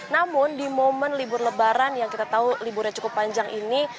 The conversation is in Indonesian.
namun di momen libur lebaran yang kita tahu liburnya cukup panjang ini